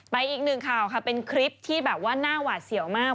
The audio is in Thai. อีกหนึ่งข่าวค่ะเป็นคลิปที่แบบว่าหน้าหวาดเสียวมาก